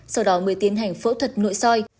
sau đó mới tiến hành phẫu thuật nội soi